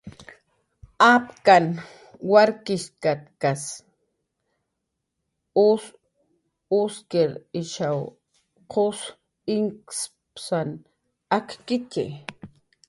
Apkanh warkshatkas us uski, ishaw qus inkps akkitxi